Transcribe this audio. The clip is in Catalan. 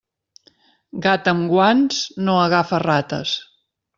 Gat amb guants no agafa rates.